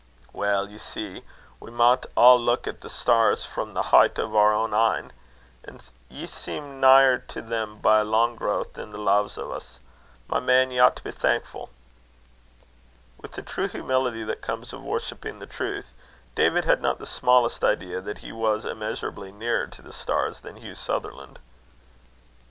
"Weel, ye see, we maun a' leuk at the starns frae the hicht o' oor ain een. An' ye seem nigher to them by a lang growth than the lave o's. My man, ye ought to be thankfu'." With the true humility that comes of worshipping the Truth, David had not the smallest idea that he was immeasurably nearer to the stars than Hugh Sutherland.